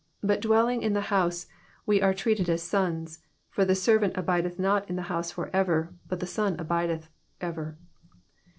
But dwelling in the house we are treated as sons, for the servant abideth not in the house for ever, but the son abideth ever.